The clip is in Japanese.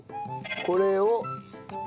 これを。